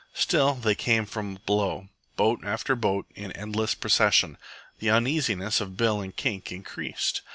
Still they came from below, boat after boat, in endless procession. The uneasiness of Bill and Kink increased.